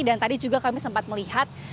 dan tadi juga kami sempat melihat